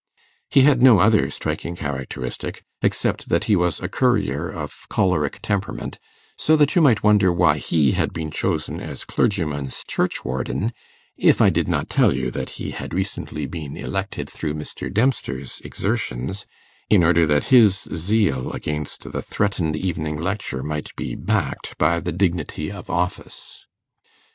He had no other striking characteristic, except that he was a currier of choleric temperament, so that you might wonder why he had been chosen as clergyman's churchwarden, if I did not tell you that he had recently been elected through Mr. Dempster's exertions, in order that his zeal against the threatened evening lecture might be backed by the dignity of office.